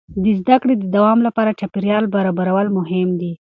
د زده کړې د دوام لپاره چاپېریال برابرول مهم دي.